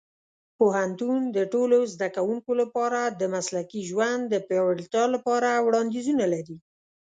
پوهنتون د ټولو زده کوونکو لپاره د مسلکي ژوند د پیاوړتیا لپاره وړاندیزونه لري.